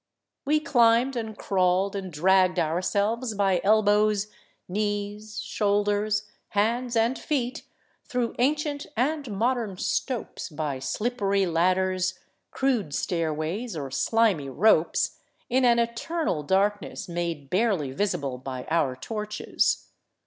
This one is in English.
We climbed and crawled and dragged ourselves by elbows, knees, shoulders, hands and feet through ancient and modern " stopes," by slippery ladders, crude stairways, or slimy ropes, in an eternal darkness made barely visible by our torches.